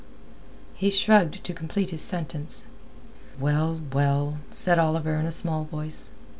He shrugged to complete his sentence. "Well, well," said Oliver in a small voice.